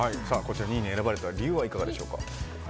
２位に選ばれた理由はいかがでしょうか。